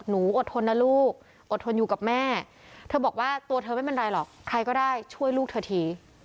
อดทนนะลูกอดทนอยู่กับแม่เธอบอกว่าตัวเธอไม่เป็นไรหรอกใครก็ได้ช่วยลูกเธอที